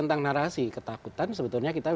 tentang narasi ketakutan sebetulnya kita